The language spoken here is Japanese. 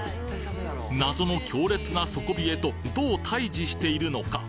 謎の強烈な底冷えとどう対峙しているのか